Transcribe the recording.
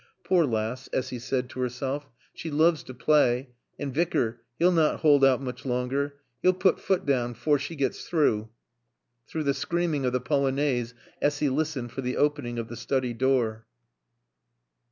"Poor laass," Essy said to herself, "she looves to plaay. And Vicar, he'll not hold out mooch longer. He'll put foot down fore she gets trow." Through the screaming of the Polonaise Essy listened for the opening of the study door.